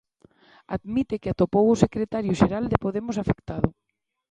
Admite que atopou o secretario xeral de Podemos afectado.